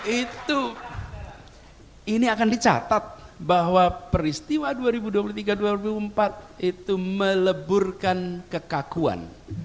itu ini akan dicatat bahwa peristiwa dua ribu dua puluh tiga dua ribu empat itu meleburkan kekakuan